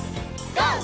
ＧＯ！